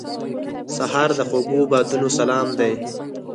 سهار د خوږو بادونو سلام دی.